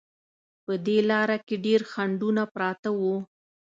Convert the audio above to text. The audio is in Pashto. په دې لاره کې ډېر خنډونه پراته وو.